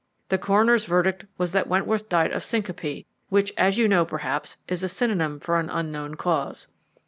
The coroner's verdict was that Wentworth died of syncope, which, as you know perhaps, is a synonym for an unknown cause.